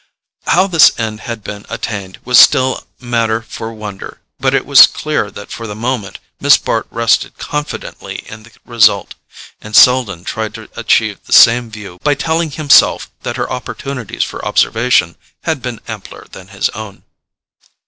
How this end had been attained was still matter for wonder, but it was clear that for the moment Miss Bart rested confidently in the result; and Selden tried to achieve the same view by telling himself that her opportunities for observation had been ampler than his own.